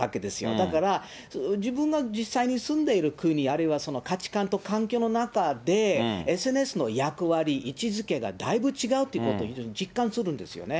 だから、自分が実際に住んでいる国、あるいは価値観と環境の中で、ＳＮＳの役割、位置づけがだいぶ違うっていうことを非常に実感するんですよね。